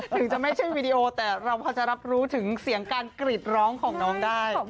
ถึงจะไม่ใช่วีดีโอแต่เราพอจะรับรู้ถึงเสียงการกรีดร้องของน้องได้